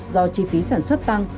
do chi phí sản xuất tăng